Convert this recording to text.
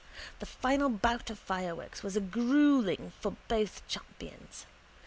The final bout of fireworks was a gruelling for both champions.